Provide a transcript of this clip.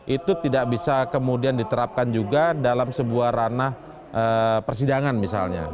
itu tidak bisa kemudian diterapkan juga dalam sebuah ranah persidangan misalnya